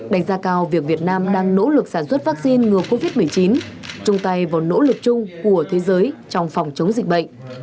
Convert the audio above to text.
đánh giá cao việc việt nam đang nỗ lực sản xuất vaccine ngừa covid một mươi chín chung tay vào nỗ lực chung của thế giới trong phòng chống dịch bệnh